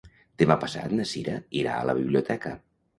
Demà passat na Sira irà a la biblioteca.